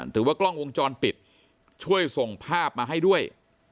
หรือว่ากล้องวงจรปิดช่วยส่งภาพมาให้ด้วย